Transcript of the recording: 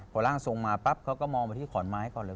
พอร่างทรงมาปั๊บเขาก็มองไปที่ขอนไม้ก่อนเลย